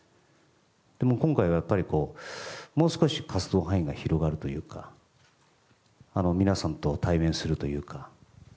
でも、今回は、もう少し活動範囲が広がるというか皆さんと対面するというか。